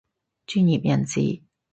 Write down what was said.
專業人士